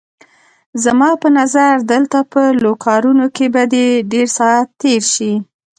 زما په نظر دلته په لوکارنو کې به دې ډېر ساعت تېر شي.